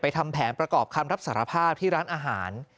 ทำแผนประกอบคำรับสารภาพที่ร้านอาหาร